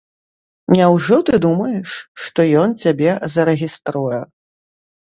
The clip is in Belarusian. Няўжо ты думаеш, што ён цябе зарэгіструе?